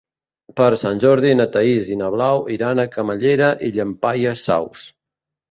Per Sant Jordi na Thaís i na Blau iran a Camallera i Llampaies Saus.